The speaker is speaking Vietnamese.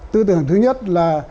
tư tưởng thứ nhất là